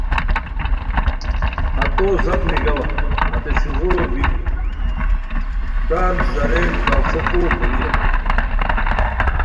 ہتو زاپ نیگاوا ہتے شوغورو بی تان زارین کاوݰو اوغو کوری اسور